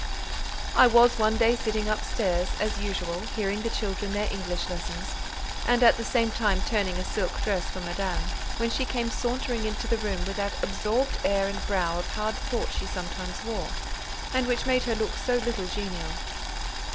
I was one day sitting up stairs, as usual, hearing the children their English lessons, and at the same time turning a silk dress for Madame, when she came sauntering into the room with that absorbed air and brow of hard thought she sometimes wore, and which made her look so little genial.